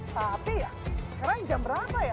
tapi ya sekarang jam berapa ya